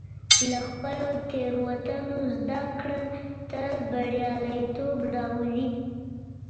له خپلو تېروتنو زده کړه تل بریالیتوب راولي.